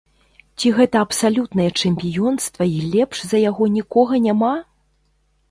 Ці гэта абсалютнае чэмпіёнства і лепш за яго нікога няма?